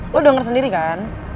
lo denger sendiri kan